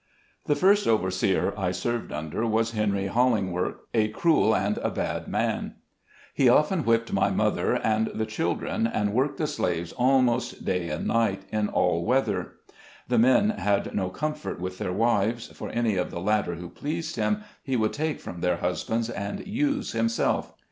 HE first overseer I served under was Henry Hallingwork, a cruel and a bad man. He often whipped my mother and the chil dren, and worked the slaves almost day and night, in all weather. The men had no comfort with their wives, for any of the latter who pleased him, he would take from their husbands, and use himself.